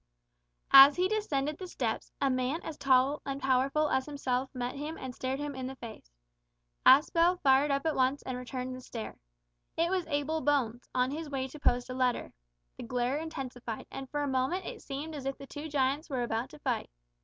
As he descended the steps, a man as tall and powerful as himself met him and stared him in the face. Aspel fired up at once and returned the stare. It was Abel Bones, on his way to post a letter. The glare intensified, and for a moment it seemed as if the two giants were about to fight.